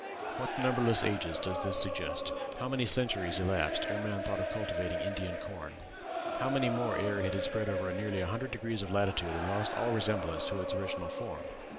What numberless ages does this suggest? How many centuries elapsed ere man thought of cultivating Indian corn? How many more ere it had spread over nearly a hundred degrees of latitude and lost all resemblance to its original form?'